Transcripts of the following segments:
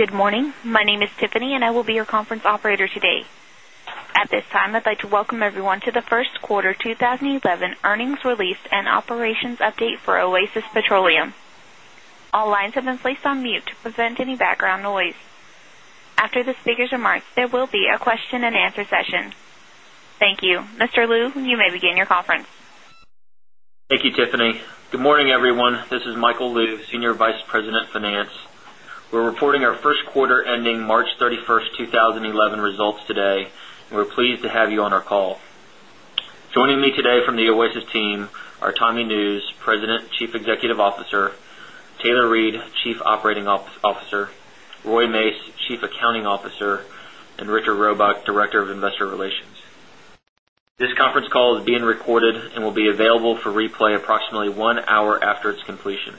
Good morning. My name is Tiffany, and I will be your conference operator today. At this time, I'd like to welcome everyone to the First Quarter 2011 Earnings Release and Operations Update for Oasis Petroleum. All lines have been placed on mute to prevent any background noise. After the speaker's remarks, there will be a question and answer session. Thank you. Mr. Lou, you may begin your conference. Thank you, Tiffany. Good morning, everyone. This is Michael Lou, Senior Vice President Finance. We're reporting our first quarter ending March 31, 2011, results today, and we're pleased to have you on our call. Joining me today from the Oasis team are Tommy Nusz, President, Chief Executive Officer, Taylor Reid, Chief Operating Officer, Roy Mace, Chief Accounting Officer, and Richard Robuck, Director of Investor Relations. This conference call is being recorded and will be available for replay approximately one hour after its completion.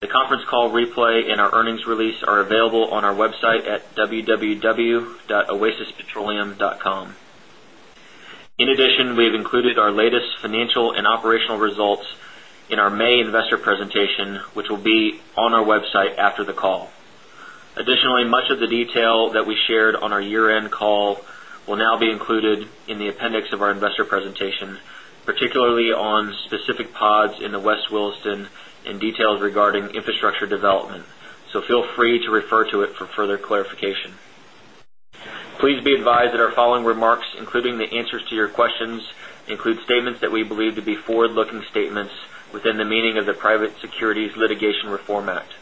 The conference call replay and our earnings release are available on our website at www.oasispetroleum.com. In addition, we have included our latest financial and operational results in our May investor presentation, which will be on our website after the call. Additionally, much of the detail that we shared on our year-end call will now be included in the appendix of our investor presentation, particularly on specific pods in the West Williston and details regarding infrastructure development, so feel free to refer to it for further clarification. Please be advised that our following remarks, including the answers to your questions, include statements that we believe to be forward-looking statements within the meaning of the Private Securities Litigation Reform Act.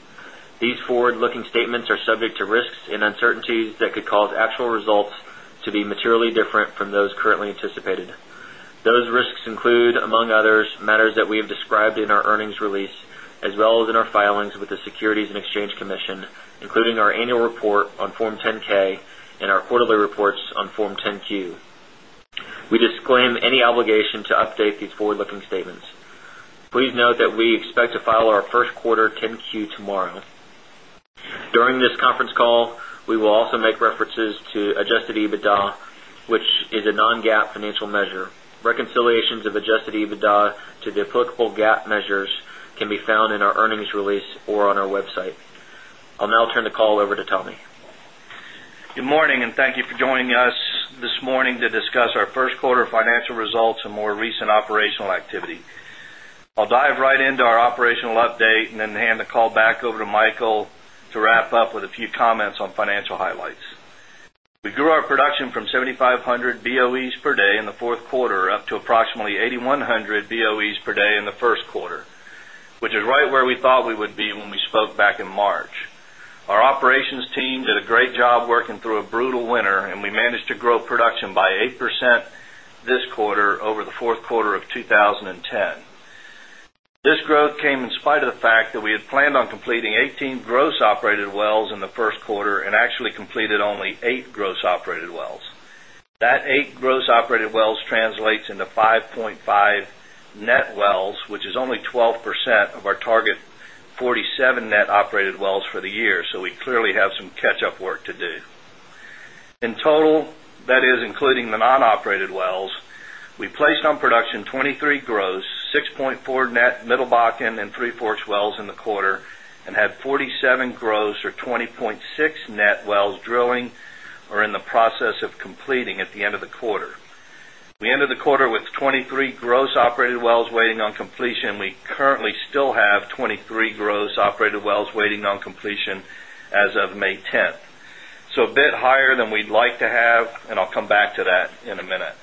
These forward-looking statements are subject to risks and uncertainties that could cause actual results to be materially different from those currently anticipated. Those risks include, among others, matters that we have described in our earnings release, as well as in our filings with the Securities and Exchange Commission, including our annual report on Form 10-K and our quarterly reports on Form 10-Q. We disclaim any obligation to update these forward-looking statements. Please note that we expect to file our first quarter 10-Q tomorrow. During this conference call, we will also make references to adjusted EBITDA, which is a non-GAAP financial measure. Reconciliations of adjusted EBITDA to the applicable GAAP measures can be found in our earnings release or on our website. I'll now turn the call over to Tommy. Good morning, and thank you for joining us this morning to discuss our first quarter financial results and more recent operational activity. I'll dive right into our operational update and then hand the call back over to Michael to wrap up with a few comments on financial highlights. We grew our production from 7,500 BOEs per day in the fourth quarter up to approximately 8,100 BOEs per day in the first quarter, which is right where we thought we would be when we spoke back in March. Our operations team did a great job working through a brutal winter, and we managed to grow production by 8% this quarter over the fourth quarter of 2010. This growth came in spite of the fact that we had planned on completing 18 gross operated wells in the first quarter and actually completed only 8 gross operated wells. That 8 gross operated wells translates into 5.5 net wells, which is only 12% of our target 47 net operated wells for the year, so we clearly have some catch-up work to do. In total, that is, including the non-operated wells, we placed on production 23 gross, 6.4 net Middle Bakken and three Three Forks wells in the quarter, and had 47 gross or 20.6 net wells drilling or in the process of completing at the end of the quarter. We ended the quarter with 23 gross operated wells waiting on completion, and we currently still have 23 gross operated wells waiting on completion as of May 10. A bit higher than we'd like to have, and I'll come back to that in a minute.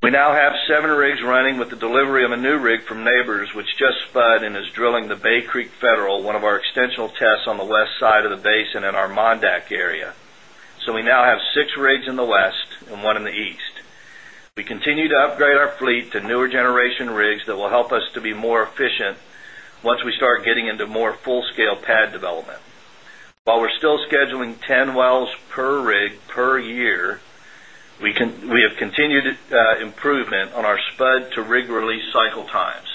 We now have seven rigs running with the delivery of a new rig from Nabors, which just spud and is drilling the Bay Creek Federal, one of our extensional tests on the west side of the basin in our Mon-Dak area. We now have six rigs in the west and one in the east. We continue to upgrade our fleet to newer generation rigs that will help us to be more efficient once we start getting into more full-scale pad development. While we're still scheduling 10 wells per rig per year, we have continued improvement on our spud to rig release cycle times.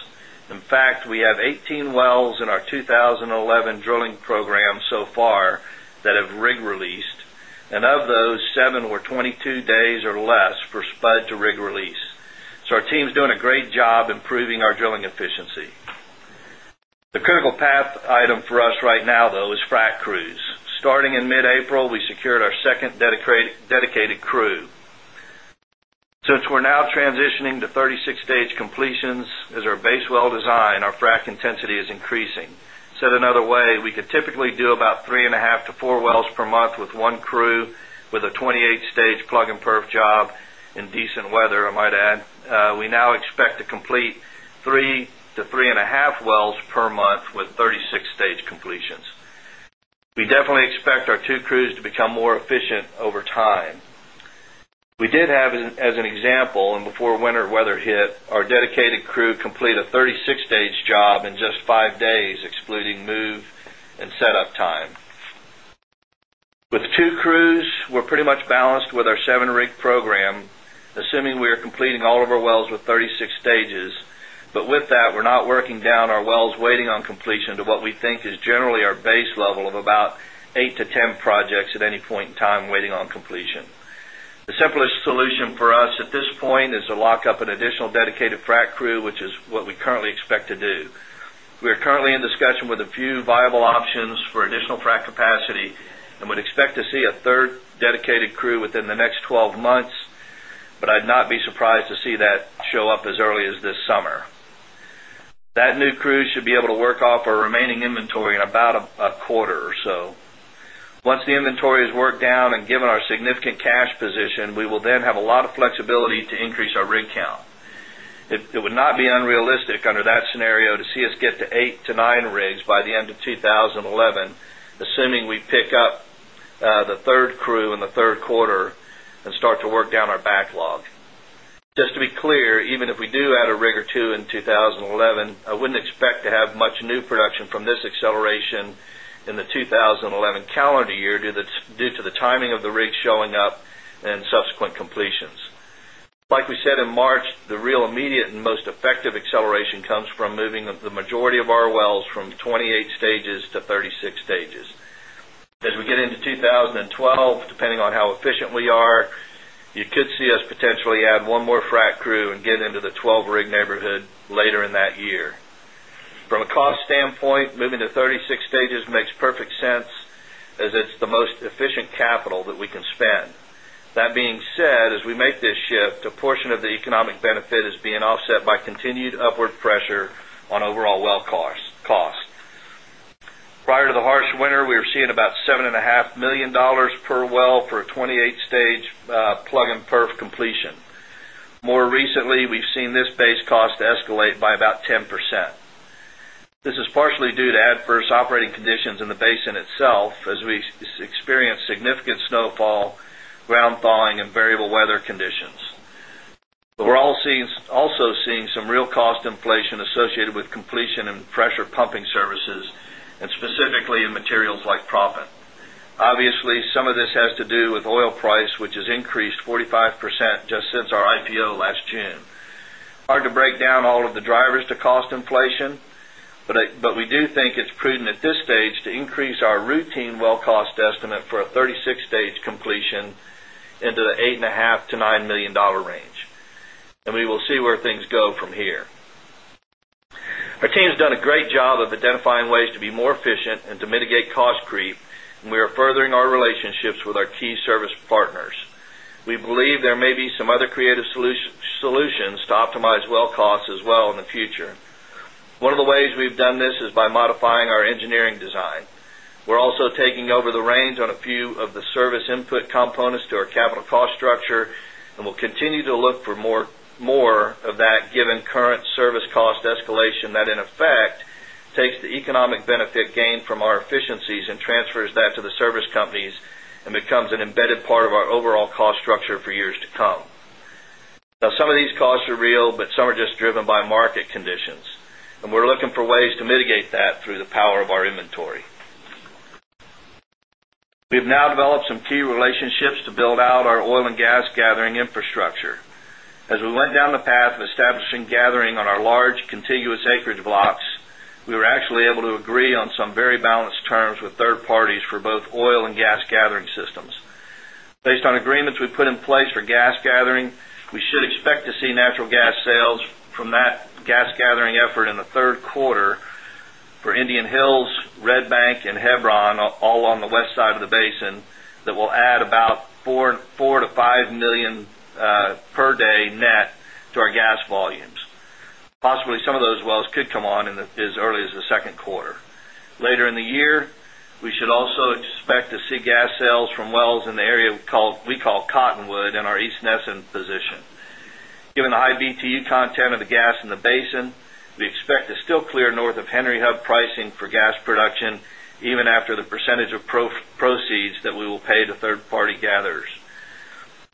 In fact, we have 18 wells in our 2011 drilling program so far that have rig released, and of those, 7 were 22 days or less for spud to rig release. Our team's doing a great job improving our drilling efficiency. The critical path item for us right now, though, is frac crews. Starting in mid-April, we secured our second dedicated crew. Since we're now transitioning to 36-stage completions as our base well design, our frac intensity is increasing. Said another way, we could typically do about three and a half to four wells per month with one crew with a 28-stage plug and perf job in decent weather, I might add. We now expect to complete three to three and a half wells per month with 36-stage completions. We definitely expect our two crews to become more efficient over time. We did have, as an example, before winter weather hit, our dedicated crew complete a 36-stage job in just five days, excluding move and setup time. With two crews, we're pretty much balanced with our seven-rig program, assuming we are completing all of our wells with 36 stages. With that, we're not working down our wells waiting on completion to what we think is generally our base level of about 8-10 projects at any point in time waiting on completion. The simplest solution for us at this point is to lock up an additional dedicated frac crew, which is what we currently expect to do. We are currently in discussion with a few viable options for additional frac capacity and would expect to see a third dedicated crew within the next 12 months, but I'd not be surprised to see that show up as early as this summer. That new crew should be able to work off our remaining inventory in about a quarter or so. Once the inventory is worked down and given our significant cash position, we will then have a lot of flexibility to increase our rig count. It would not be unrealistic under that scenario to see us get to eight to nine rigs by the end of 2011, assuming we pick up the third crew in the third quarter and start to work down our backlog. Just to be clear, even if we do add a rig or two in 2011, I wouldn't expect to have much new production from this acceleration in the 2011 calendar year due to the timing of the rigs showing up and subsequent completions. Like we said in March, the real immediate and most effective acceleration comes from moving the majority of our wells from 28 stages-36 stages. As we get into 2012, depending on how efficient we are, you could see us potentially add one more frac crew and get into the 12-rig neighborhood later in that year. From a cost standpoint, moving to 36 stages makes perfect sense as it's the most efficient capital that we can spend. That being said, as we make this shift, a portion of the economic benefit is being offset by continued upward pressure on overall well cost. Prior to the harsh winter, we were seeing about $7.5 million per well for a 28-stage plug and perf completion. More recently, we've seen this base cost escalate by about 10%. This is partially due to adverse operating conditions in the basin itself, as we experienced significant snowfall, ground thawing, and variable weather conditions. We're also seeing some real cost inflation associated with completion and pressure pumping services, and specifically in materials like proppant. Obviously, some of this has to do with oil price, which has increased 45% just since our IPO last June. It's hard to break down all of the drivers to cost inflation, but we do think it's prudent at this stage to increase our routine well cost estimate for a 36-stage completion into the $8.5-$9 million range. We will see where things go from here. Our team's done a great job of identifying ways to be more efficient and to mitigate cost creep, and we are furthering our relationships with our key service partners. We believe there may be some other creative solutions to optimize well costs as well in the future. One of the ways we've done this is by modifying our engineering design. We're also taking over the reins on a few of the service input components to our capital cost structure, and we'll continue to look for more of that given current service cost escalation that, in effect, takes the economic benefit gained from our efficiencies and transfers that to the service companies and becomes an embedded part of our overall cost structure for years to come. Some of these costs are real, but some are just driven by market conditions, and we're looking for ways to mitigate that through the power of our inventory. We've now developed some key relationships to build out our oil and gas gathering infrastructure. As we went down the path of establishing gathering on our large contiguous acreage blocks, we were actually able to agree on some very balanced terms with third parties for both oil and gas gathering systems. Based on agreements we put in place for gas gathering, we should expect to see natural gas sales from that gas gathering effort in the third quarter for Indian Hills, Red Bank, and Hebron, all on the west side of the basin, that will add about 4-5 million per day net to our gas volumes. Possibly, some of those wells could come on in as early as the second quarter. Later in the year, we should also expect to see gas sales from wells in the area we call Cottonwood and our East Nesson position. Given the high BTU content of the gas in the basin, we expect to still clear north of Henry Hub pricing for gas production, even after the percentage of proceeds that we will pay to third-party gatherers.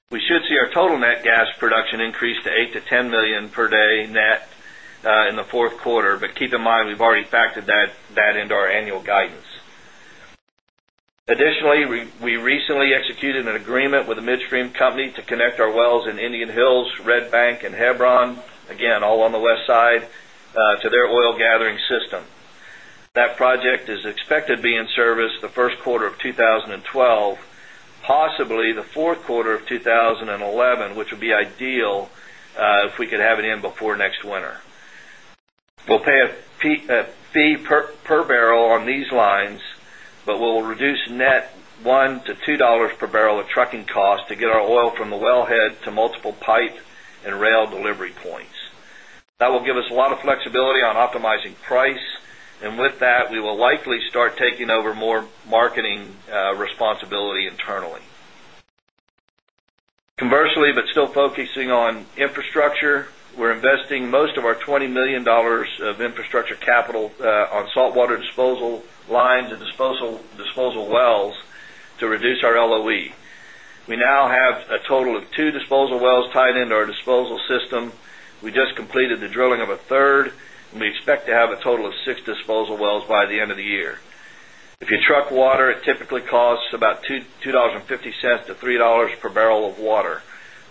We should see our total net gas production increase to 8-10 million per day net, in the fourth quarter, but keep in mind we've already factored that into our annual guidance. Additionally, we recently executed an agreement with a midstream company to connect our wells in Indian Hills, Red Bank, and Hebron, again, all on the west side, to their oil gathering system. That project is expected to be in service the first quarter of 2012, possibly the fourth quarter of 2011, which would be ideal if we could have it in before next winter. We'll pay a fee per barrel on these lines, but we'll reduce net $1-$2 per barrel of trucking cost to get our oil from the wellhead to multiple pipe and rail delivery points. That will give us a lot of flexibility on optimizing price, and with that, we will likely start taking over more marketing responsibility internally. Conversely, but still focusing on infrastructure, we're investing most of our $20 million of infrastructure capital on saltwater disposal lines and disposal wells to reduce our LOE. We now have a total of two disposal wells tied into our disposal system. We just completed the drilling of a third, and we expect to have a total of six disposal wells by the end of the year. If you truck water, it typically costs about $2.50-$3 per barrel of water.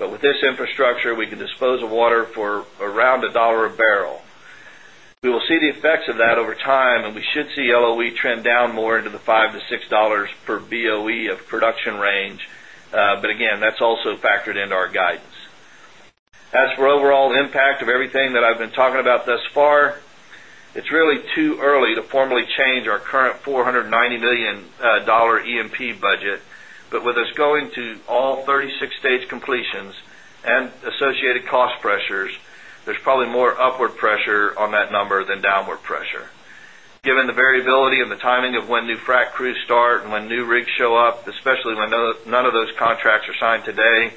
With this infrastructure, we can dispose of water for around $1 a barrel. We will see the effects of that over time, and we should see LOE trend down more into the $5-$6 per BOE of production range. That's also factored into our guidance. As for overall impact of everything that I've been talking about thus far, it's really too early to formally change our current $490 million E&P budget. With us going to all 36-stage completions and associated cost pressures, there's probably more upward pressure on that number than downward pressure. Given the variability and the timing of when new frac crews start and when new rigs show up, especially when none of those contracts are signed today,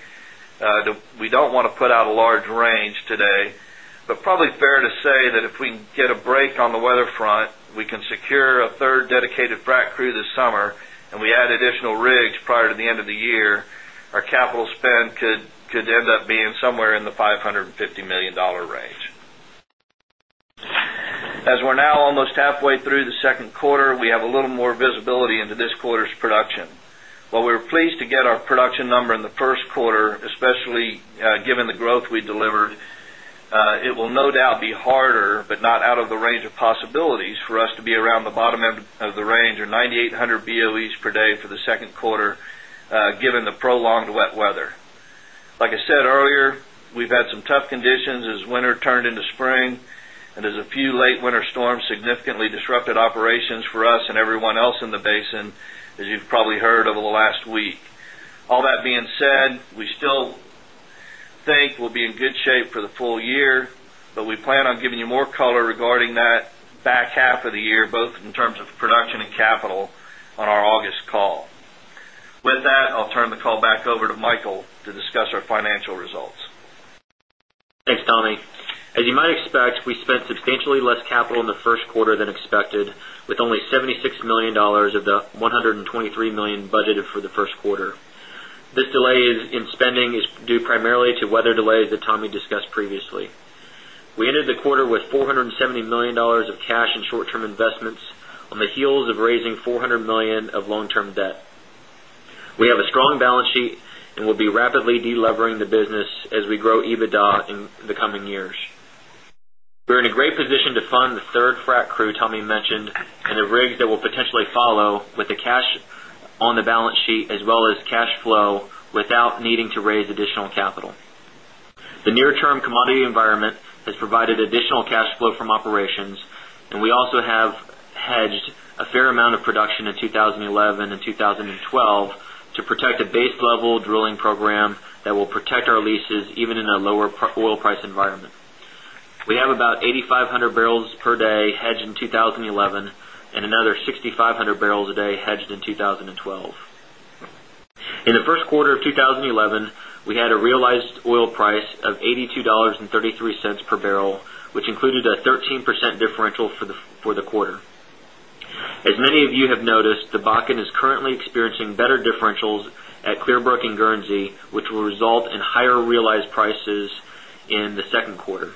we don't want to put out a large range today. It is probably fair to say that if we can get a break on the weather front, we can secure a third dedicated frac crew this summer, and we add additional rigs prior to the end of the year, our capital spend could end up being somewhere in the $550 million range. As we're now almost halfway through the second quarter, we have a little more visibility into this quarter's production. While we were pleased to get our production number in the first quarter, especially given the growth we delivered, it will no doubt be harder, but not out of the range of possibilities for us to be around the bottom end of the range or 9,800 BOEs per day for the second quarter, given the prolonged wet weather. Like I said earlier, we've had some tough conditions as winter turned into spring, and as a few late winter storms significantly disrupted operations for us and everyone else in the basin, as you've probably heard over the last week. All that being said, we still think we'll be in good shape for the full year, but we plan on giving you more color regarding that back half of the year, both in terms of production and capital on our August call. With that, I'll turn the call back over to Michael to discuss our financial results. Thanks, Tommy. As you might expect, we spent substantially less capital in the first quarter than expected, with only $76 million of the $123 million budgeted for the first quarter. This delay in spending is due primarily to weather delays that Tommy discussed previously. We entered the quarter with $470 million of cash and short-term investments on the heels of raising $400 million of long-term debt. We have a strong balance sheet and will be rapidly delevering the business as we grow EBITDA in the coming years. We're in a great position to fund the third frac crew Tommy mentioned and the rigs that will potentially follow with the cash on the balance sheet as well as cash flow without needing to raise additional capital. The near-term commodity environment has provided additional cash flow from operations, and we also have hedged a fair amount of production in 2011 and 2012 to protect a base-level drilling program that will protect our leases even in a lower oil price environment. We have about 8,500 barrels per day hedged in 2011 and another 6,500 barrels a day hedged in 2012. In the first quarter of 2011, we had a realized oil price of $82.33 per barrel, which included a 13% differential for the quarter. As many of you have noticed, the Bakken is currently experiencing better differentials at Clearbrook and Guernsey, which will result in higher realized prices in the second quarter.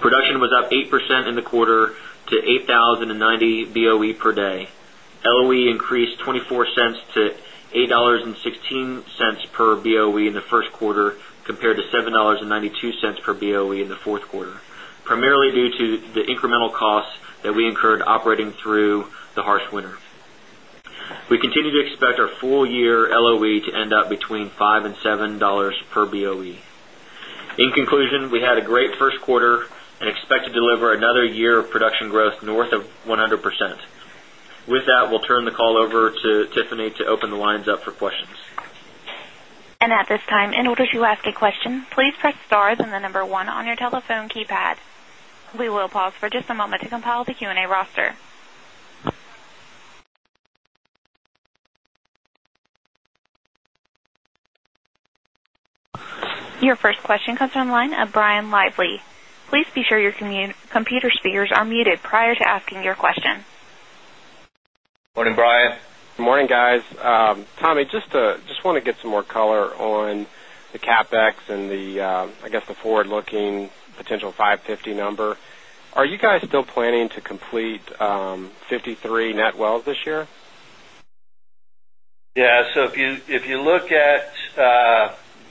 Production was up 8% in the quarter to 8,090 BOE per day. LOE increased $0.24 to $8.16 per BOE in the first quarter compared to $7.92 per BOE in the fourth quarter, primarily due to the incremental costs that we incurred operating through the harsh winter. We continue to expect our full-year LOE to end up between $5-$7 per BOE. In conclusion, we had a great first quarter and expect to deliver another year of production growth north of 100%. With that, we'll turn the call over to Tiffany to open the lines up for questions. At this time, in order to ask a question, please press star and the number one on your telephone keypad. We will pause for just a moment to compile the Q&A roster. Your first question comes from the line of Brian Lively. Please be sure your computer speakers are muted prior to asking your question. Morning, Brian. Good morning, guys. Tommy, just want to get some more color on the CapEx and the, I guess, the forward-looking potential $550 million number. Are you guys still planning to complete 53 net wells this year? Yeah. If you look at,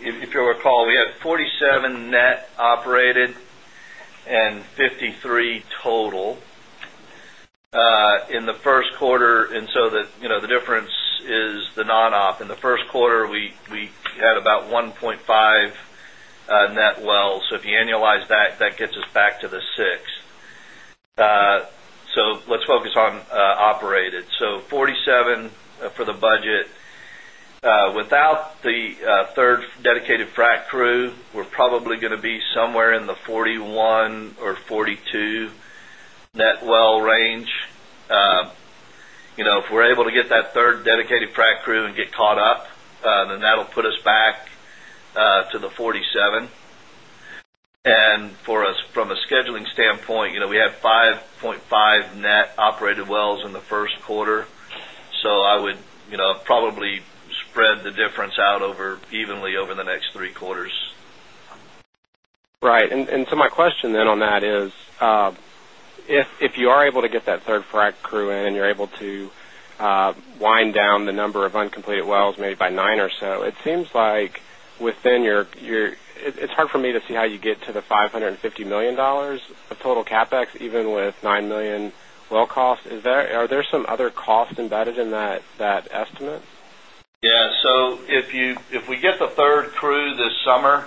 if you'll recall, we had 47 net operated and 53 total in the first quarter. The difference is the non-OP. In the first quarter, we had about 1.5 net wells. If you annualize that, that gets us back to the 6. Let's focus on operated. 47 for the budget. Without the third dedicated frac crew, we're probably going to be somewhere in the 41 or 42 net well range. If we're able to get that third dedicated frac crew and get caught up, that'll put us back to the 47. For us, from a scheduling standpoint, we had 5.5 net operated wells in the first quarter. I would probably spread the difference out evenly over the next three quarters. Right. My question then on that is, if you are able to get that third frac crew in, you're able to wind down the number of uncompleted wells maybe by nine or so. It seems like within your, it's hard for me to see how you get to the $550 million of total CapEx even with $9 million well cost. Are there some other costs embedded in that estimate? Yeah. If we get the third crew this summer,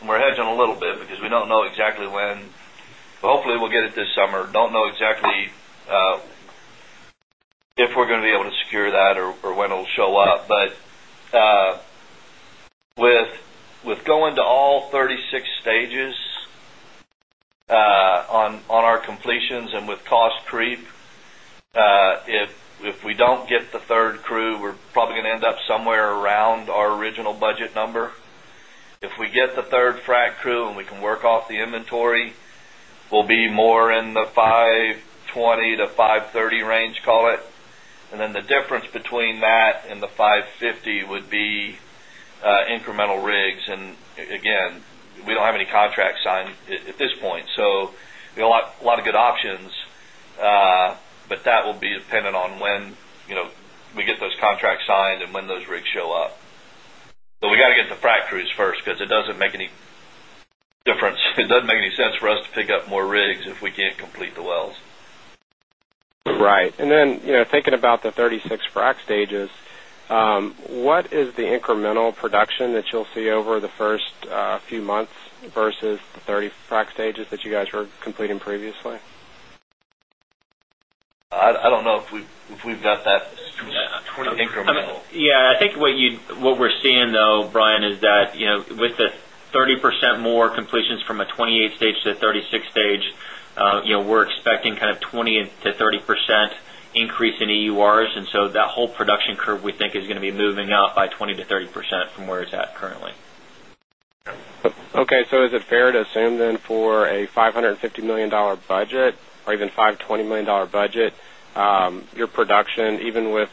and we're hedging a little bit because we don't know exactly when, but hopefully, we'll get it this summer. We don't know exactly if we're going to be able to secure that or when it'll show up. With going to all 36 stages on our completions and with cost creep, if we don't get the third crew, we're probably going to end up somewhere around our original budget number. If we get the third frac crew and we can work off the inventory, we'll be more in the $520-$530 million range, call it. The difference between that and the $550 million would be incremental rigs. We don't have any contracts signed at this point. We have a lot of good options, but that will be dependent on when we get those contracts signed and when those rigs show up. We have to get the frac crews first because it doesn't make any difference. It doesn't make any sense for us to pick up more rigs if we can't complete the wells. Right. You know, thinking about the 36 frac stages, what is the incremental production that you'll see over the first few months versus the 28 frac stages that you guys were completing previously? I don't know if we've got that incremental. I think what we're seeing, though, Brian, is that with the 30% more completions from a 28-stage to a 36-stage, we're expecting kind of 20-30% increase in EURs. That whole production curve we think is going to be moving up by 20%-30% from where it's at currently. Is it fair to assume then for a $550 million budget or even $520 million budget, your production, even with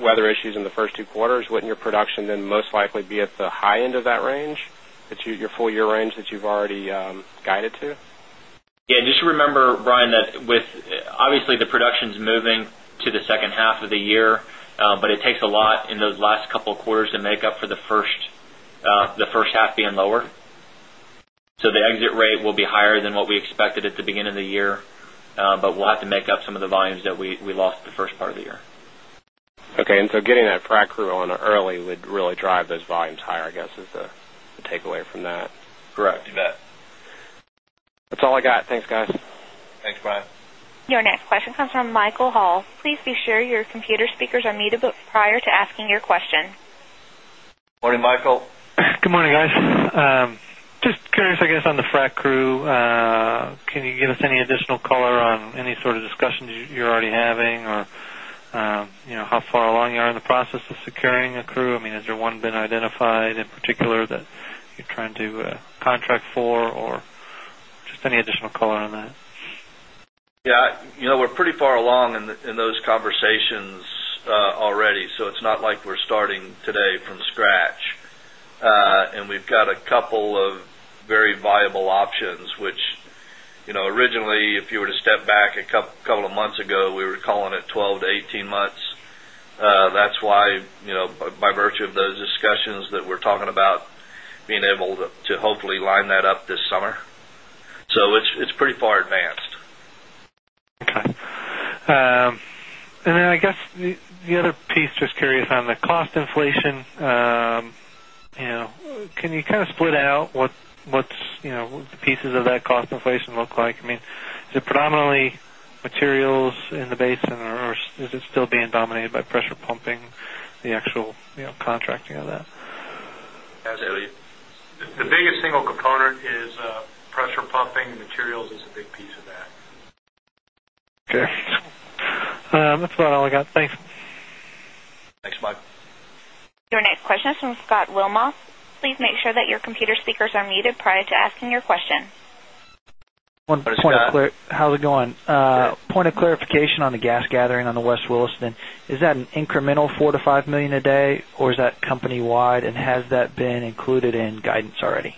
weather issues in the first two quarters, wouldn't your production then most likely be at the high end of that range, that your full-year range that you've already guided to? Yeah. Just remember, Brian, that obviously, the production's moving to the second half of the year, but it takes a lot in those last couple of quarters to make up for the first half being lower. The exit rate will be higher than what we expected at the beginning of the year, but we'll have to make up some of the volumes that we lost the first part of the year. Getting that frac crew on early would really drive those volumes higher, I guess, is the takeaway from that. Correct. You bet. That's all I got. Thanks, guys. Thanks, Brian. Your next question comes from Michael Hall. Please be sure your computer speakers are muted prior to asking your question. Morning, Michael. Good morning, guys. Just curious, I guess, on the frac crew, can you give us any additional color on any sort of discussions you're already having or how far along you are in the process of securing a crew? Has there been one identified in particular that you're trying to contract for or just any additional color on that? Yeah, we're pretty far along in those conversations already. It's not like we're starting today from scratch. We've got a couple of very viable options, which, if you were to step back a couple of months ago, we were calling it 12-18 months. That's why, by virtue of those discussions that we're talking about, being able to hopefully line that up this summer. It's pretty far advanced. Okay. I guess the other piece, just curious, on the cost inflation, you know, can you kind of split out what the pieces of that cost inflation look like? I mean, is it predominantly materials in the basin, or is it still being dominated by pressure pumping, the actual, you know, contracting of that? Absolutely. The biggest single component is pressure pumping. Materials is a big piece of that. Okay, that's about all I got. Thanks. Thanks, Michael. Your next question is from Scott Wilmoth. Please make sure that your computer speakers are muted prior to asking your question. Hi, Scott. How's it going? Point of clarification on the gas gathering on the West Williston, is that an incremental 4 million-5 million a day, or is that company-wide, and has that been included in guidance already?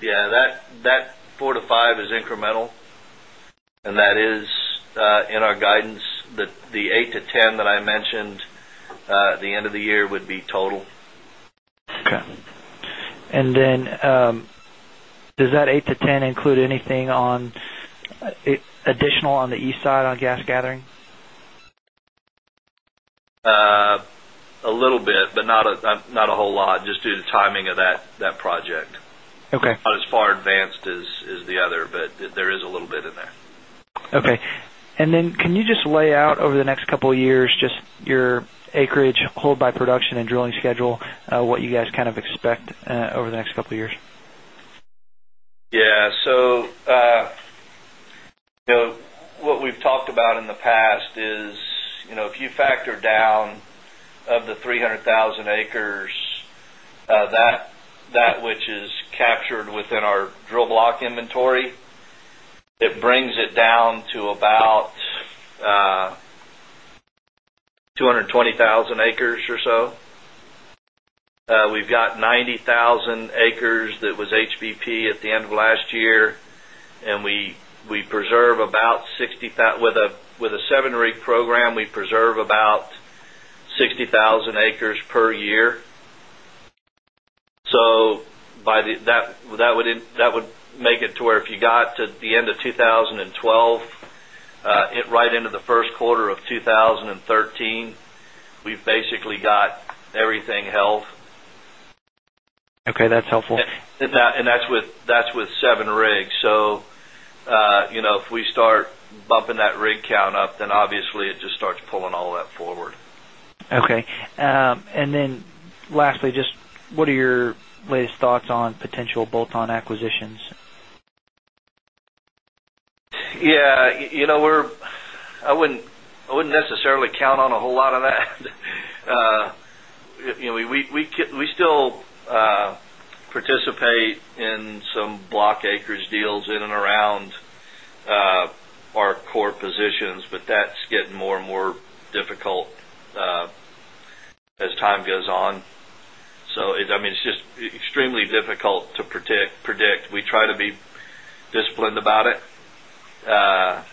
Yeah. That 4 to 5 is incremental, and that is in our guidance. The 8 to 10 that I mentioned at the end of the year would be total. Okay. Does that 8 to 10 include anything additional on the east side on gas gathering? A little bit, but not a whole lot, just due to the timing of that project. Okay. As far advanced as the other, there is a little bit in there. Okay, can you just lay out over the next couple of years your acreage hold by production and drilling schedule, what you guys kind of expect over the next couple of years? Yeah. What we've talked about in the past is, if you factor down of the 300,000 acres, that which is captured within our drill block inventory, it brings it down to about 220,000 acres or so. We've got 90,000 acres that was HBP at the end of last year, and we preserve about 60,000. With a seven-rig program, we preserve about 60,000 acres per year. By that, that would make it to where if you got to the end of 2012, right into the first quarter of 2013, we've basically got everything held. Okay, that's helpful. That's with seven rigs. If we start bumping that rig count up, it just starts pulling all that forward. Okay. Lastly, just what are your latest thoughts on potential bolt-on acquisitions? Yeah. I wouldn't necessarily count on a whole lot of that. We still participate in some block acres deals in and around our core positions, but that's getting more and more difficult as time goes on. It's just extremely difficult to predict. We try to be disciplined about it. Our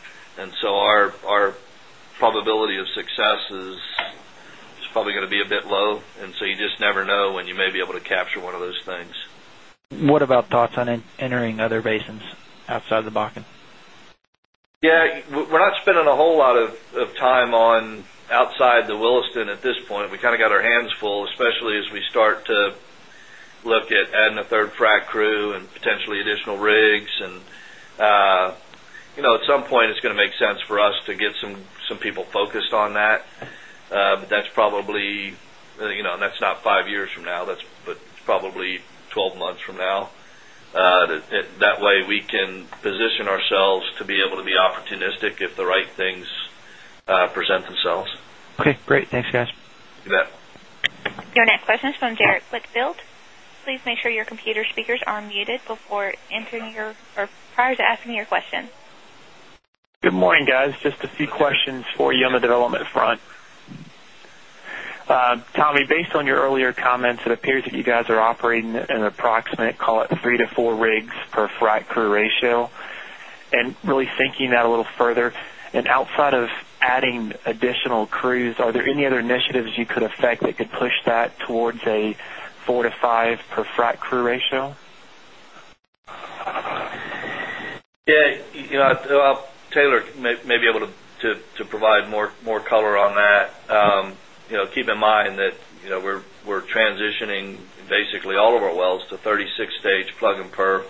probability of success is probably going to be a bit low. You just never know when you may be able to capture one of those things. What about thoughts on entering other basins outside of the Bakken? Yeah. We're not spending a whole lot of time outside the Williston at this point. We kind of got our hands full, especially as we start to look at adding a third frac crew and potentially additional rigs. At some point, it's going to make sense for us to get some people focused on that. That's probably, you know, and that's not five years from now. That's probably 12 months from now. That way, we can position ourselves to be able to be opportunistic if the right things present themselves. Okay. Great. Thanks, guys. You bet. Your next question is from Derrick Whitfield. Please make sure your computer speakers are muted before entering or prior to asking your question. Good morning, guys. Just a few questions for you on the development front. Tommy, based on your earlier comments, it appears that you guys are operating at an approximate, call it, three to four rigs per frac crew ratio. Really thinking that a little further, and outside of adding additional crews, are there any other initiatives you could affect that could push that towards a four to five per frac crew ratio? Yeah. Taylor may be able to provide more color on that. Keep in mind that we're transitioning basically all of our wells to 36-stage plug and perf.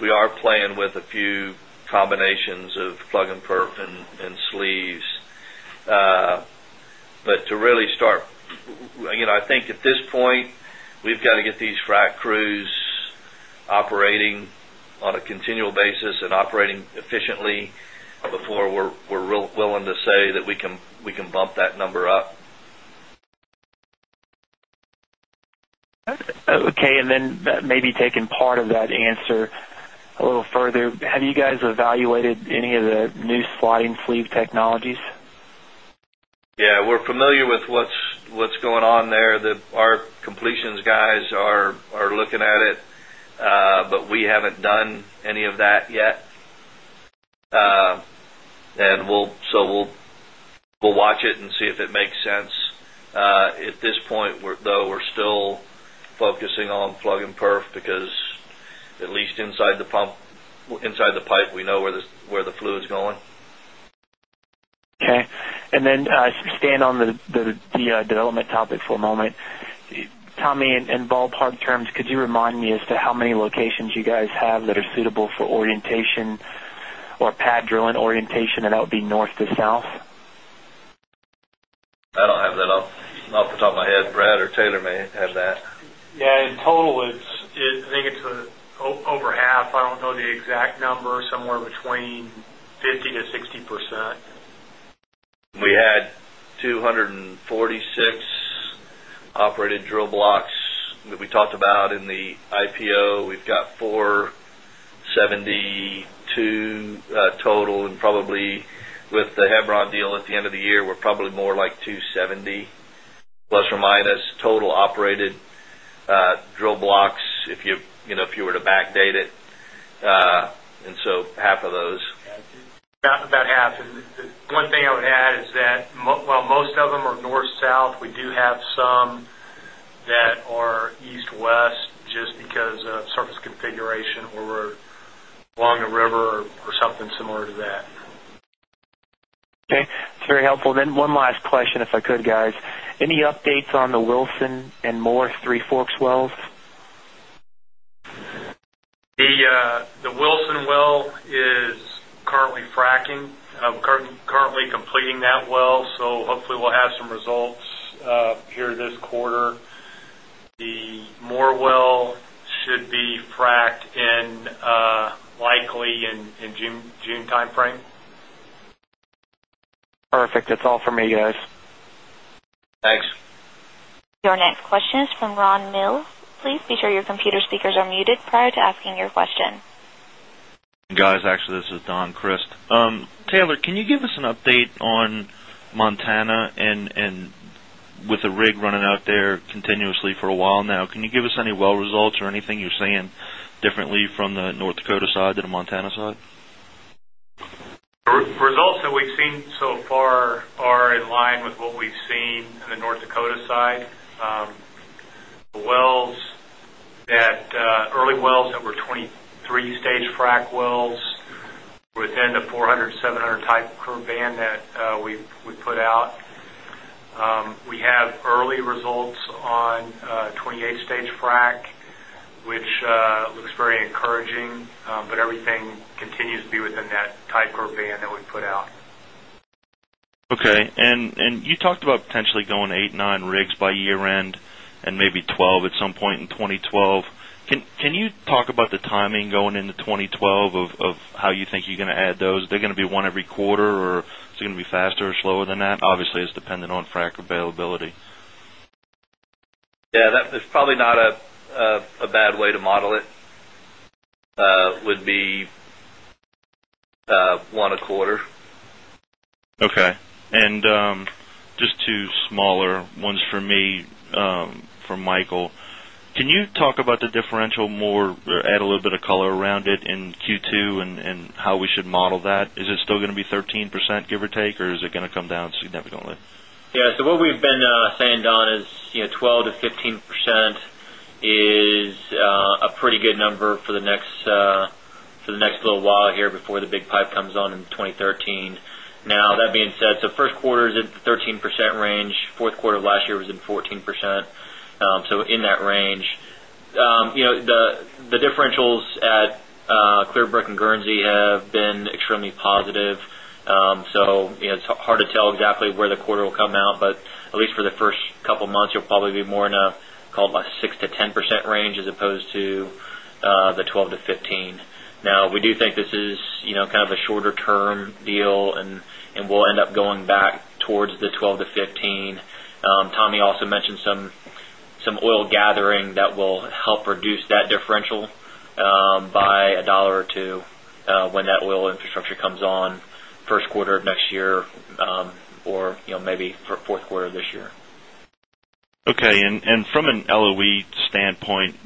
We are playing with a few combinations of plug and perf and sleeves. To really start, I think at this point, we've got to get these frac crews operating on a continual basis and operating efficiently before we're willing to say that we can bump that number up. Okay. Maybe taking part of that answer a little further, have you guys evaluated any of the new sliding sleeve technologies? Yeah. We're familiar with what's going on there. Our completions guys are looking at it, but we haven't done any of that yet. We'll watch it and see if it makes sense. At this point, though, we're still focusing on plug and perf because at least inside the pump, inside the pipe, we know where the fluid is going. Okay. Staying on the development topic for a moment, Tommy, in ballpark terms, could you remind me as to how many locations you guys have that are suitable for orientation or pad drilling orientation, and that would be north to south? I don't have that off the top of my head. Brad or Taylor may have that. Yeah, in total, I think it's over half. I don't know the exact number, somewhere between 50%-60%. We had 246 operated drill blocks that we talked about in the IPO. We've got 472 total. With the Hebron deal at the end of the year, we're probably more like 270± total operated drill blocks if you were to backdate it. Half of those. About half. One thing I would add is that while most of them are north-south, we do have some that are east-west just because of surface configuration where we're along the river or something similar to that. Okay, it's very helpful. One last question, if I could, guys. Any updates on the Wilson and Moore Three Forks wells? The Wilson well is currently fracking, currently completing that well. Hopefully, we'll have some results here this quarter. The Moore well should be fracked likely in the June time frame. Perfect. That's all for me, guys. Thanks. Your next question is from Ron Mills. Please be sure your computer speakers are muted prior to asking your question. Guys, actually, this is Don Chris. Taylor, can you give us an update on Montana, and with a rig running out there continuously for a while now, can you give us any well results or anything you're seeing differently from the North Dakota side than the Montana side? Results that we've seen so far are in line with what we've seen in the North Dakota side. The wells, the early wells that were 23-stage frac wells, are within the 400 to 700-type curve band that we put out. We have early results on 28-stage frac, which looks very encouraging, but everything continues to be within that type of band that we put out. Okay. You talked about potentially going eight, nine rigs by year-end and maybe 12 at some point in 2012. Can you talk about the timing going into 2012 of how you think you're going to add those? Is there going to be one every quarter, or is it going to be faster or slower than that? Obviously, it's dependent on frac availability. Yeah, that's probably not a bad way to model it. It would be one a quarter. Okay. Just two smaller ones from me, from Michael. Can you talk about the differential more or add a little bit of color around it in Q2 and how we should model that? Is it still going to be 13%, give or take, or is it going to come down significantly? Yeah. What we've been saying, Don, is you know 12%-15% is a pretty good number for the next little while here before the big pipe comes on in 2013. That being said, first quarter is in the 13% range. Fourth quarter of last year was in 14%. In that range, the differentials at Clearbrook and Guernsey have been extremely positive. It's hard to tell exactly where the quarter will come out, but at least for the first couple of months, you'll probably be more in a, call it, 6%-10% range as opposed to the 12%-15%. We do think this is kind of a shorter-term deal and will end up going back towards the 12%-15%. Tommy also mentioned some oil gathering that will help reduce that differential by a dollar or two when that oil infrastructure comes on first quarter of next year or maybe for fourth quarter of this year. Okay. From an LOE standpoint,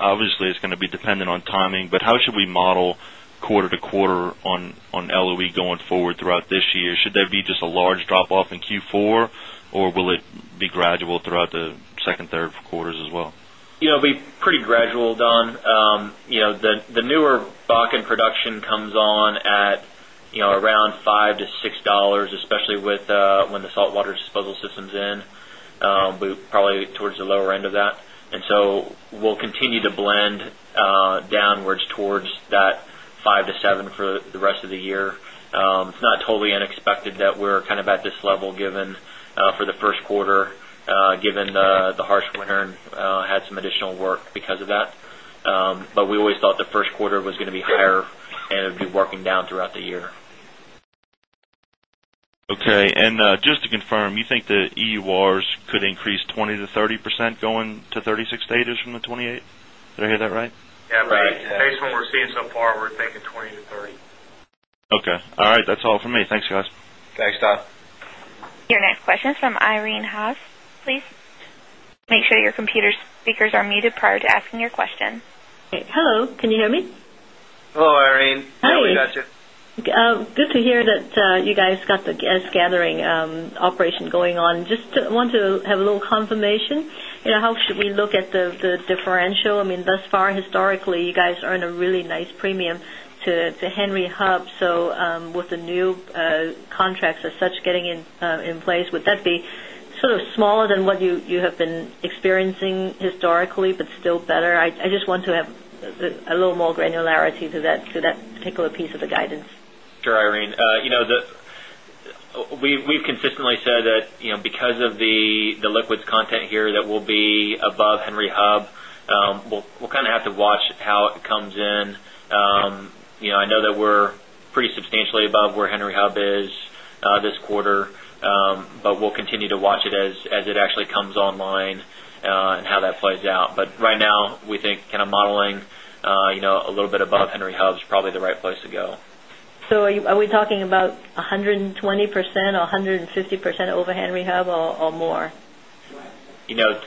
obviously, it's going to be dependent on timing, but how should we model quarter-to-quarter on LOE going forward throughout this year? Should there be just a large drop-off in Q4, or will it be gradual throughout the second, third quarters as well? It'll be pretty gradual, Don. You know the newer Bakken production comes on at, you know, around $5-$6, especially when the saltwater disposal system's in. We're probably towards the lower end of that, and we'll continue to blend downwards towards that $5-$7 for the rest of the year. It's not totally unexpected that we're kind of at this level for the first quarter, given the harsh winter and had some additional work because of that. We always thought the first quarter was going to be fair and it would be working down throughout the year. Okay. Just to confirm, you think the EURs could increase 20%-30% going to 36 stages from the 28? Did I hear that right? Based on what we're seeing so far, we're thinking 20%-30%. Okay. All right. That's all for me. Thanks, guys. Thanks, Don. Your next question is from Irene Haas. Please make sure your computer speakers are muted prior to asking your question. Hello, can you hear me? Hello, Irene. Hi. I got you. Good to hear that you guys got the gas gathering operation going on. I just want to have a little confirmation. You know, how should we look at the differential? I mean, thus far, historically, you guys earn a really nice premium to Henry Hub. With the new contracts as such getting in place, would that be sort of smaller than what you have been experiencing historically, but still better? I just want to have a little more granularity to that particular piece of the guidance. Sure, Irene. We've consistently said that, you know, because of the liquids content here that will be above Henry Hub, we'll kind of have to watch how it comes in. I know that we're pretty substantially above where Henry Hub is this quarter, but we'll continue to watch it as it actually comes online and how that plays out. Right now, we think kind of modeling a little bit above Henry Hub is probably the right place to go. Are we talking about 120% or 150% over Henry Hub or more? You know.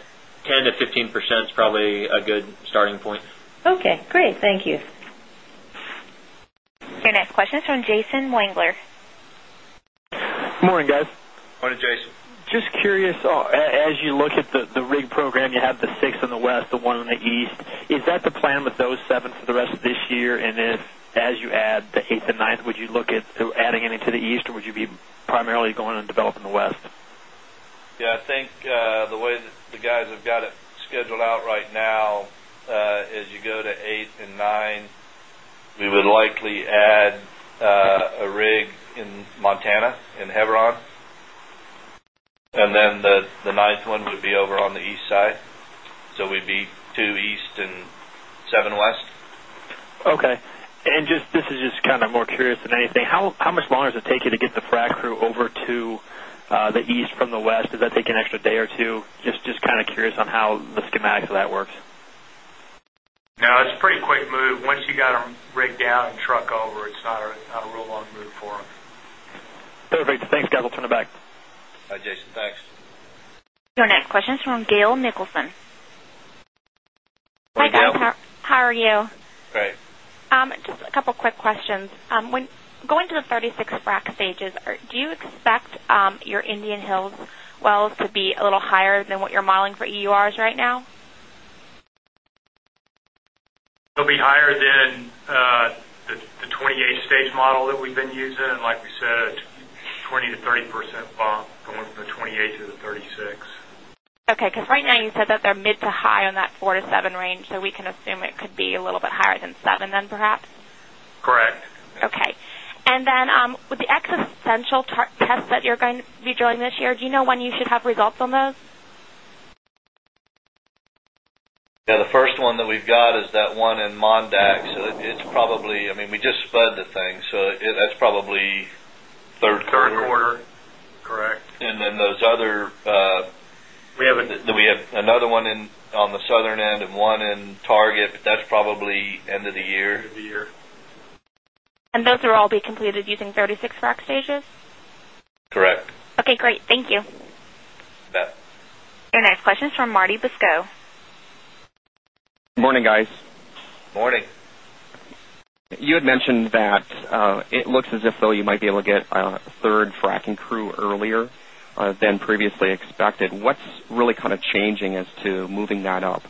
10%-15% is probably a good starting point. Okay. Great. Thank you. Your next question is from Jason Wengler. Morning, guys. Morning, Jason. Just curious, as you look at the rig program, you have the six on the west, the one on the east. Is that the plan with those seven for the rest of this year? As you add the eighth and ninth, would you look at adding any to the east, or would you be primarily going and developing the west? I think the way that the guys have got it scheduled out right now, as you go to eight and nine, we would likely add a rig in Montana and Hebron. The ninth one would be over on the east side. We'd be two east and seven west. Okay. This is just kind of more curious than anything. How much longer does it take you to get the frac crew over to the east from the west? Does that take an extra day or two? Just kind of curious on how the schematics of that works. No, it's a pretty quick move. Once you got them rigged out and truck over, it's not a real long move for them. Perfect. Thanks, guys. I'll turn it back. All right, Jason. Thanks. Your next question is from Gail Nicholson. Hi, guys. How are you? Great. Just a couple of quick questions. When going to the 36 frac stages, do you expect your Indian Hills wells to be a little higher than what you're modeling for EURs right now? It'll be higher than the 28-stage model that we've been using. Like we said, 20%-30% bump going from the 28 to the 36. Okay. Because right now, you said that they're mid to high on that four to seven range. We can assume it could be a little bit higher than seven then, perhaps? Correct. Okay. With the existential tests that you're going to be drilling this year, do you know when you should have results on those? Yeah. The first one that we've got is that one in Mondac. It's probably, I mean, we just fed the thing. That's probably third quarter. Third quarter, correct. We have another one on the southern end and one in Target, but that's probably the end of the year. End of the year. Will all of those be completed using 36 frac stages? Correct. Okay. Great. Thank you. You bet. Your next question is from Marty Beskow. Morning, guys. Morning. You had mentioned that it looks as if, though, you might be able to get a third frac crew earlier than previously expected. What's really kind of changing as to moving that up?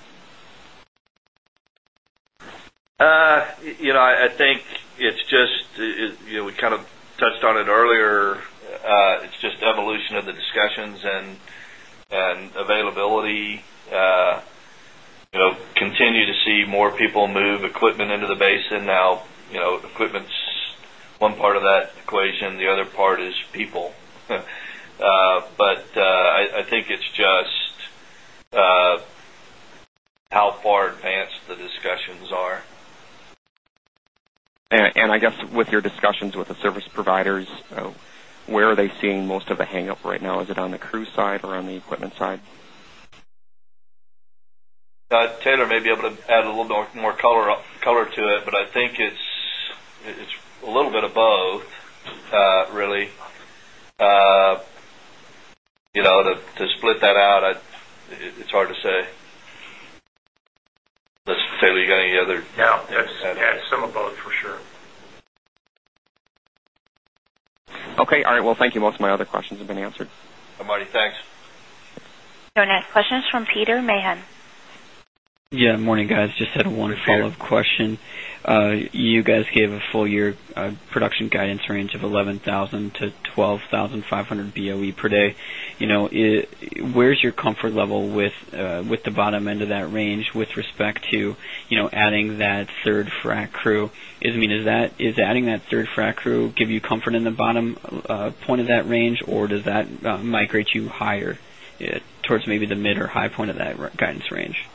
You know. I think it's just, you know, we kind of touched on it earlier. It's just the evolution of the discussions and availability. You know, continue to see more people move equipment into the basin. Now, you know, equipment's one part of that equation. The other part is people. I think it's just how far advanced the discussions are. With your discussions with the service providers, where are they seeing most of the hang-up right now? Is it on the crew side or on the equipment side? Taylor may be able to add a little bit more color to it, but I think it's a little bit of both, really. To split that out, it's hard to say. Let's see if we got any other. Yeah, it's some of both, for sure. Okay. All right. Thank you. Most of my other questions have been answered. All right. Thanks. Your next question is from Peter Mahon. Yeah. Morning, guys. Just had one follow-up question. You guys gave a full-year production guidance range of 11,000 BOE-12,500 BOE per day. You know, where's your comfort level with the bottom end of that range with respect to, you know, adding that third frac crew? I mean, does adding that third frac crew give you comfort in the bottom point of that range, or does that migrate you higher towards maybe the mid or high point of that guidance range?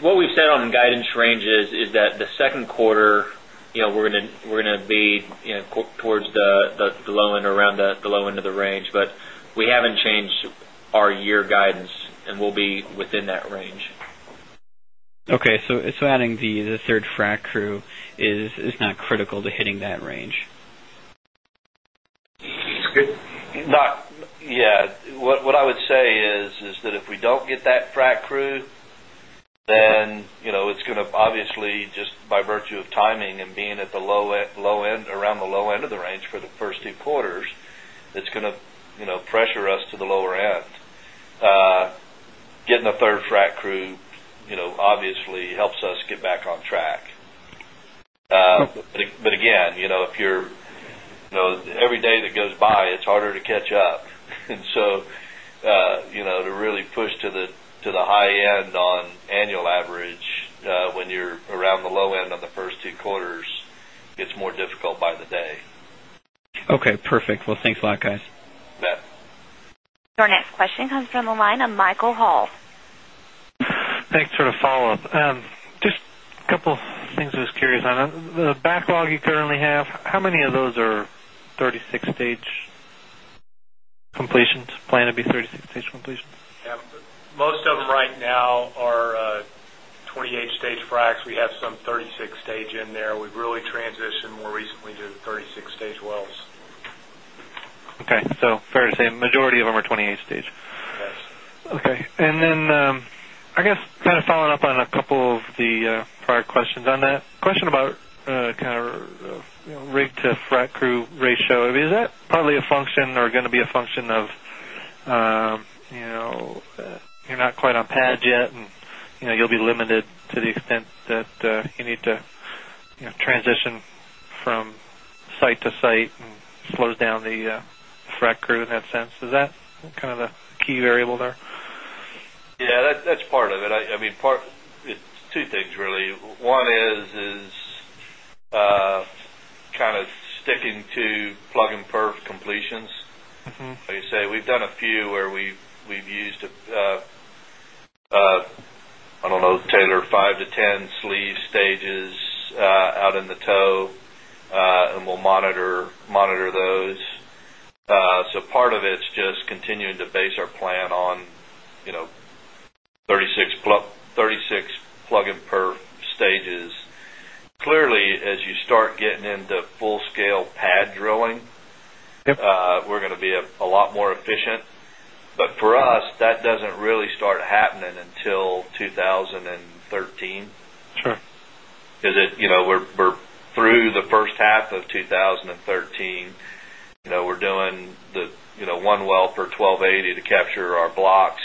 What we've said on guidance ranges is that the second quarter, you know, we're going to be towards the low end, around the low end of the range, but we haven't changed our year guidance, and we'll be within that range. Okay. Adding the third frac crew is not critical to hitting that range? What I would say is that if we don't get that frac crew, it's going to, obviously just by virtue of timing and being at the low end, around the low end of the range for the first two quarters, pressure us to the lower end. Getting the third frac crew obviously helps us get back on track. Again, if you're, every day that goes by, it's harder to catch up. To really push to the high end on annual average when you're around the low end of the first two quarters, it gets more difficult by the day. Okay. Perfect. Thanks a lot, guys. You bet. Our next question comes from the line of Michael Hall. Thanks for the follow-up. Just a couple of things I was curious on. The backlog you currently have, how many of those are 36-stage completions planned to be 36-stage completions? Yeah. Most of them right now are 28-stage frac. We have some 36-stage in there. We've really transitioned more recently to the 36-stage wells. Okay. Fair to say the majority of them are 28-stage. Yes. Okay. I guess, kind of following up on a couple of the prior questions on that, a question about kind of, you know, rig to frac crew ratio. I mean, is that partly a function or going to be a function of, you know, you're not quite on pads yet, and you know, you'll be limited to the extent that you need to, you know, transition from site to site and slows down the frac crew in that sense? Is that kind of the key variable there? Yeah. That's part of it. I mean, part it's two things, really. One is kind of sticking to plug and perf completions. Like I say, we've done a few where we've used, I don't know, Taylor, 5 to 10 sleeve stages out in the toe, and we'll monitor those. Part of it's just continuing to base our plan on, you know, 36 plug and perf stages. Clearly, as you start getting into full-scale pad drilling, we're going to be a lot more efficient. For us, that doesn't really start happening until 2013. Sure. Because we're through the first half of 2013. We're doing the one well for 1280 to capture our blocks.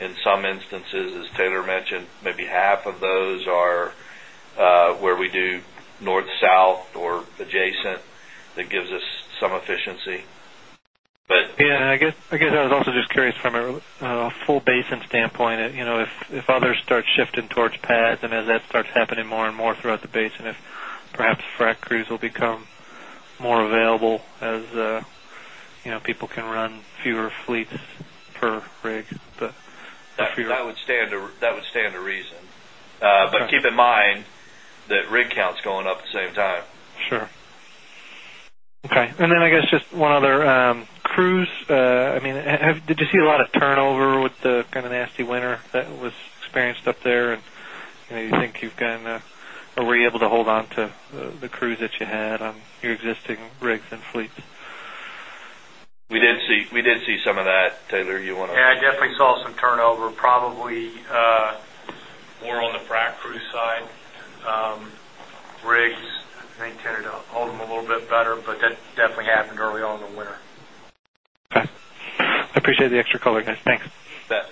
In some instances, as Taylor mentioned, maybe half of those are where we do north-south or adjacent. That gives us some efficiency. I was also just curious from a full basin standpoint, you know, if others start shifting towards pads and as that starts happening more and more throughout the basin, if perhaps frac crews will become more available as, you know, people can run fewer fleets per rig. That would stand to reason. Keep in mind that rig count's going up at the same time. Sure. Okay. I guess just one other, crews. Did you see a lot of turnover with the kind of nasty winter that was experienced up there? Do you think you've gotten, were you able to hold on to the crews that you had on your existing rigs and fleets? We did see some of that. Taylor, you want to? Yeah. I definitely saw some turnover, probably more on the frac crew side. Rigs may tend to hold them a little bit better, but that's definitely happened early on in the winter. I appreciate the extra color, guys. Thanks. You bet.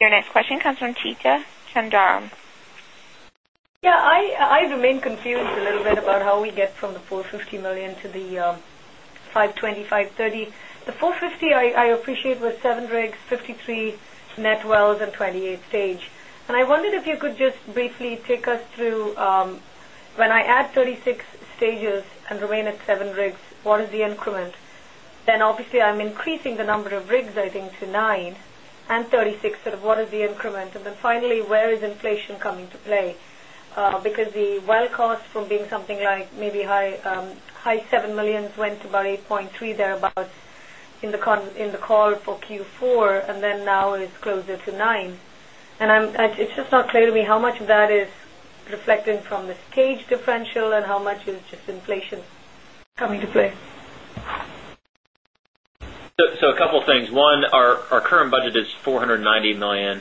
Your next question comes from Chitra Sundaram. Yeah. I remain confused a little bit about how we get from the $450 million to the $520 million, $530 million. The $450 million, I appreciate, was seven rigs, 53 net wells, and 28-stage. I wondered if you could just briefly take us through, when I add 36 stages and remain at seven rigs, what is the increment? Obviously, I'm increasing the number of rigs, I think, to nine and 36. What is the increment? Finally, where is inflation coming to play? Because the well cost from being something like maybe high, high $7 million went to about $8.3 million thereabouts in the call for Q4, and now it's closer to $9 million. It's just not clear to me how much of that is reflecting from the stage differential and how much is just inflation coming to play. A couple of things. One, our current budget is $490 million,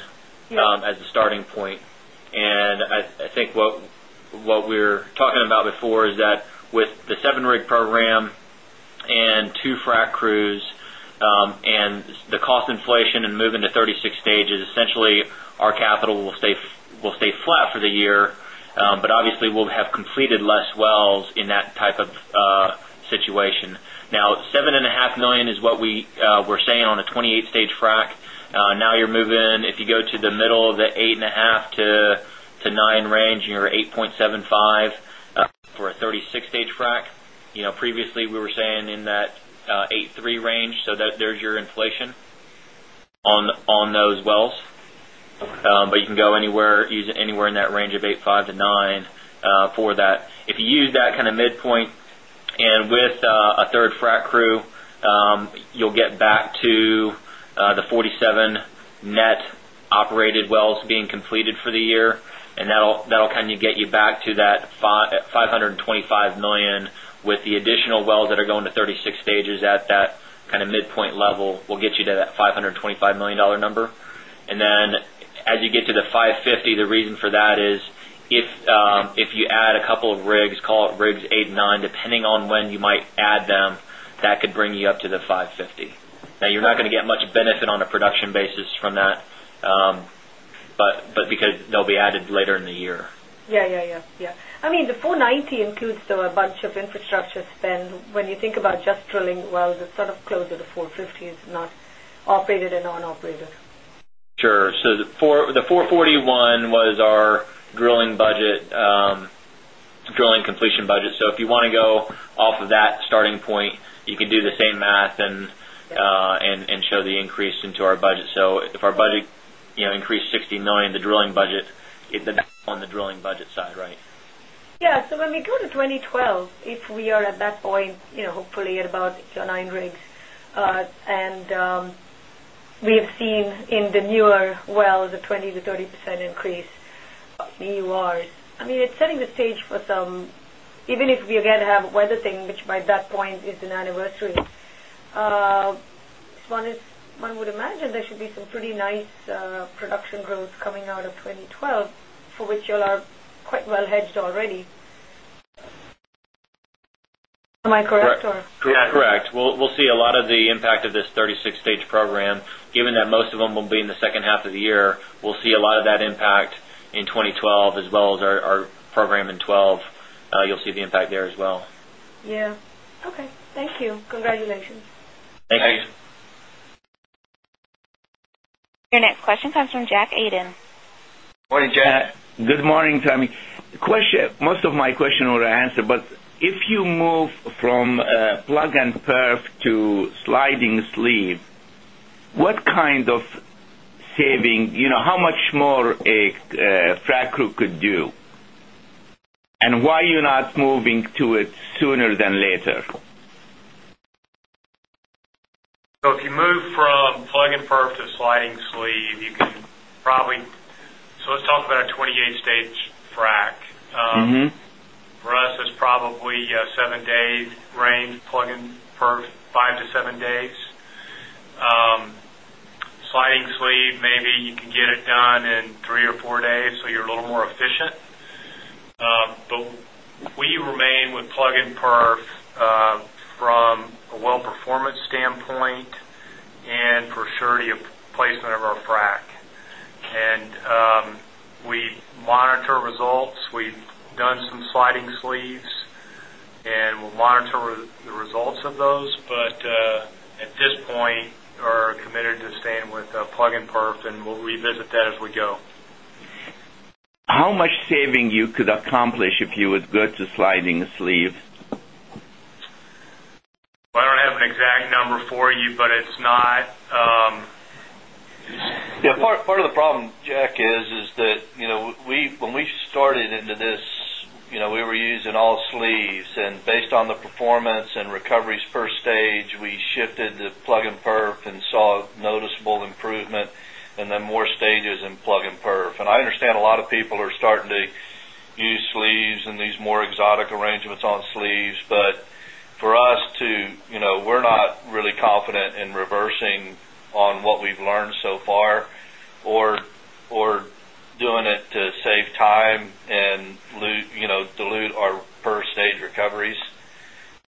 as a starting point. What we were talking about before is that with the seven-rig program and two frac crews, and the cost inflation and moving to 36 stages, essentially, our capital will stay flat for the year. Obviously, we'll have completed less wells in that type of situation. Now, $7.5 million is what we were saying on a 28-stage frac. Now you're moving, if you go to the middle of the $8.5 to $9 million range, you're $8.75 million for a 36-stage frac. Previously, we were saying in that $8.3 million range. There's your inflation on those wells. You can go anywhere in that range of $8.5 million-$9 million for that. If you use that kind of midpoint and with a third frac crew, you'll get back to the 47 net operated wells being completed for the year. That'll kind of get you back to that $525 million with the additional wells that are going to 36 stages at that kind of midpoint level, will get you to that $525 million number. As you get to the $550 million, the reason for that is if you add a couple of rigs, call it rigs eight and nine, depending on when you might add them, that could bring you up to the $550 million. You're not going to get much benefit on a production basis from that, because they'll be added later in the year. Yeah. I mean, the $490 million includes a bunch of infrastructure spend. When you think about just drilling wells, it's sort of closer to $450 million, is not operated and non-operated. Sure. The $441 million was our drilling completion budget. If you want to go off of that starting point, you can do the same math and show the increase into our budget. If our budget increased $60 million, the drilling budget, it's enough on the drilling budget side, right? Yeah. When we go to 2012, if we are at that point, hopefully at about eight or nine rigs, and we have seen in the newer wells a 20%-30% increase in EURs, it's setting the stage for some, even if we again have a weather thing, which by that point is an anniversary. One would imagine there should be some pretty nice production growth coming out of 2012 for which you all are quite well hedged already. Am I correct? Correct. Yeah, correct. We'll see a lot of the impact of this 36-stage program, given that most of them will be in the second half of the year. We'll see a lot of that impact in 2012 as well as our program in 2012. You'll see the impact there as well. Thank you. Congratulations. Thank you. Your next question comes from Jack Aiden. Morning, Jack. Good morning, Tommy. Most of my question already answered, but if you move from plug and perf to sliding sleeve, what kind of saving, you know, how much more a frac crew could do? Why are you not moving to it sooner than later? If you move from plug and perf to sliding sleeve, you could probably, let's talk about a 28-stage frac. For us, it's probably a seven-day range, plug and perf, five to seven days. Sliding sleeve, maybe you could get it done in three or four days, so you're a little more efficient. We remain with plug and perf from a well performance standpoint and for surety of placement of our frac. We monitor results. We've done some sliding sleeves, and we'll monitor the results of those. At this point, we're committed to staying with plug and perf, and we'll revisit that as we go. How much saving you could accomplish if you would go to sliding sleeve? I don't have an exact number for you, but it's not. Yeah. Part of the problem, Jack, is that when we started into this, we were using all sleeves. Based on the performance and recoveries per stage, we shifted to plug and perf and saw noticeable improvement, and then more stages in plug and perf. I understand a lot of people are starting to use sleeves and these more exotic arrangements on sleeves. For us, we're not really confident in reversing on what we've learned so far or doing it to save time and dilute our first-stage recoveries.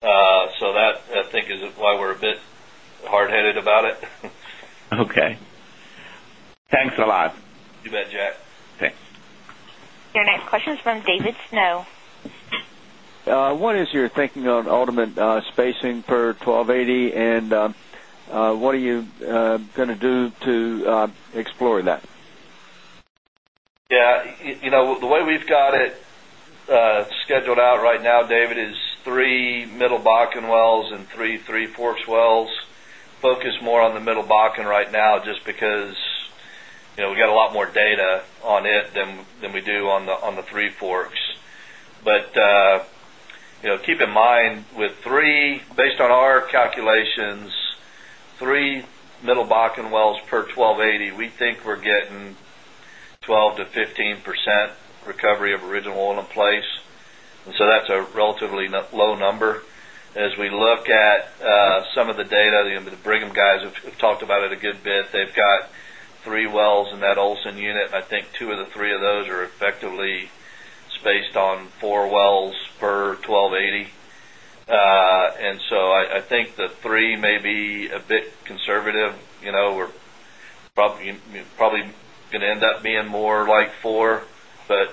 That, I think, is why we're a bit hardheaded about it. Okay. Thanks a lot. You bet, Jack. Thanks. Your next question is from David Snow. What is your thinking on ultimate spacing for 1280? What are you going to do to explore that? Yeah. You know, the way we've got it scheduled out right now, David, is three Middle Bakken wells and three Three Forks wells. Focus more on the Middle Bakken right now just because, you know, we got a lot more data on it than we do on the Three Forks. Keep in mind, with three, based on our calculations, three Middle Bakken wells per 1280, we think we're getting 12%-15% recovery of original oil in place. That's a relatively low number. As we look at some of the data, the Brigham guys have talked about it a good bit. They've got three wells in that Olsen unit, and I think two of the three of those are effectively spaced on four wells per 1280. I think the three may be a bit conservative. We're probably going to end up being more like four. We're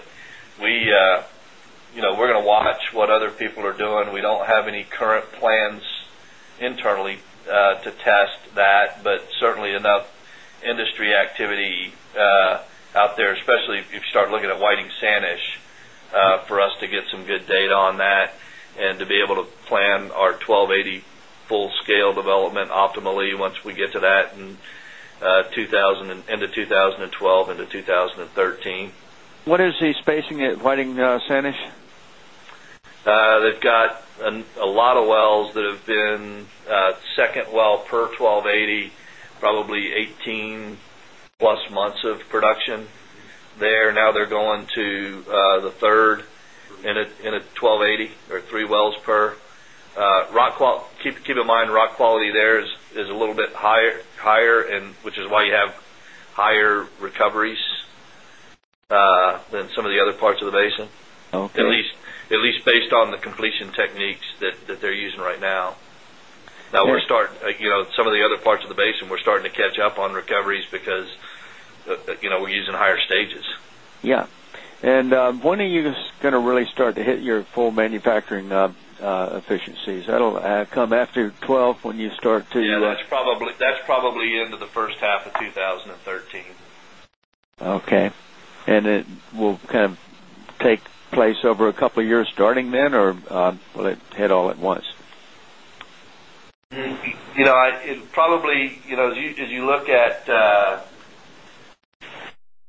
going to watch what other people are doing. We don't have any current plans internally to test that, but certainly enough industry activity out there, especially if you start looking at Whiting Sanish, for us to get some good data on that and to be able to plan our 1280 full-scale development optimally once we get to that and end of 2012 into 2013. What is the spacing at Whiting Sanish? They've got a lot of wells that have been second well per 1280, probably 18+ months of production there. Now they're going to the third in a 1280 or three wells per. Rock, keep in mind, rock quality there is a little bit higher, which is why you have higher recoveries than some of the other parts of the basin, at least based on the completion techniques that they're using right now. Now, some of the other parts of the basin, we're starting to catch up on recoveries because we're using higher stages. Yeah. When are you going to really start to hit your full manufacturing efficiencies? That'll come after 2012 when you start to. Yeah, that's probably the end of the first half of 2013. Okay. Will it kind of take place over a couple of years starting then, or will it hit all at once? You know. As you look at,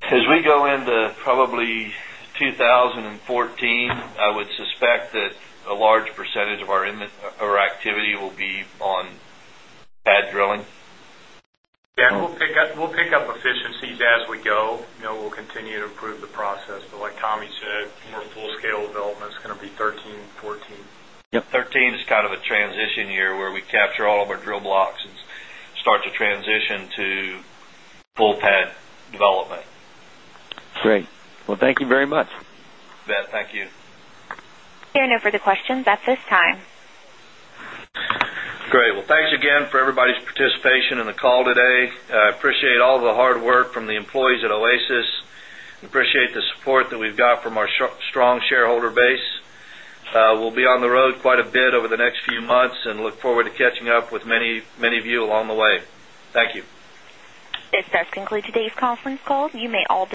as we go into probably 2014, I would suspect that a large percentage of our activity will be on pad drilling. Yeah. We'll pick up efficiencies as we go. You know, we'll continue to improve the process. Like Tommy said, more full-scale development is going to be 2013, 2014. Yep. 2013 is kind of a transition year where we capture all of our drill blocks and start to transition to full pad development. Great. Thank you very much. You bet. Thank you. There are no further questions at this time. Great. Thanks again for everybody's participation in the call today. I appreciate all the hard work from the employees at Oasis. I appreciate the support that we've got from our strong shareholder base. We'll be on the road quite a bit over the next few months and look forward to catching up with many, many of you along the way. Thank you. This does conclude today's conference call. You may all disconnect.